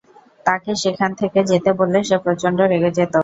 তাকে সেখান থেকে যেতে বললে সে প্রচন্ড রেগে যেত।